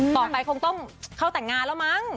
คงต้องเข้าแต่งงานแล้วมั้ง